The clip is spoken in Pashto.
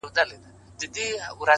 د حقیقت درناوی عقل پیاوړی کوي.!